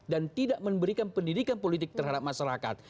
dan tidak memberikan pendidikan politik terhadap masyarakat